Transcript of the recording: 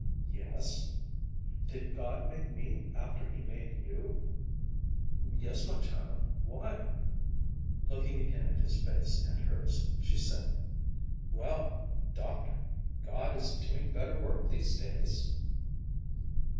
"Yes." "Did God make me after he made you?" "Yes, my child, why?" Looking again at his face and hers, she said, "Well. Doctor, God is doing better work these days."